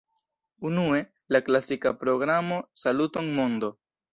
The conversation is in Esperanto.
Unue, la klasika programo "Saluton, mondo!